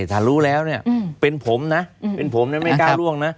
ถ้ารู้แล้วเนี่ยเป็นผมนะเป็นผมนะไม่กล้าล่วงนะ